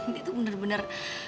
dia tuh bener bener